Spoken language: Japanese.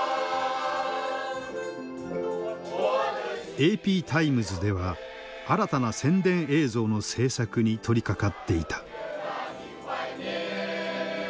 ＡＰタイムズでは新たな宣伝映像の制作に取りかかっていた。